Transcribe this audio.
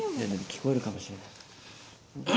聞こえるかもしれない。